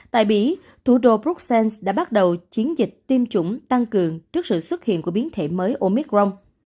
tại mỹ thủ đô bruxelles đã bắt đầu chiến dịch tiêm chủng tăng cường trước sự xuất hiện của biến thể mới omicron